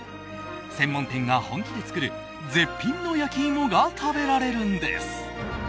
専門店が本気で作る絶品の焼き芋が食べられるんです。